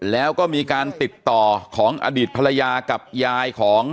แล้วก็มีการติดต่อของอดีตภรรยากับยายของ